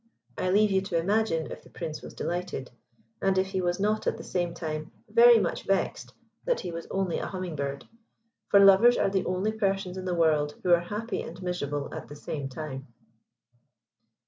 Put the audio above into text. I leave you to imagine if the Prince was delighted, and if he was not at the same time very much vexed that he was only a Humming bird, for lovers are the only persons in the world who are happy and miserable at the same time.